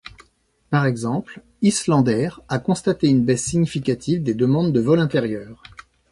Par exemple, Icelandair a constaté une baisse significative des demandes de vols intérieurs.